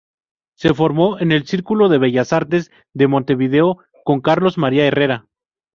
Se formó en el Círculo de Bellas Artes de Montevideo con Carlos María Herrera.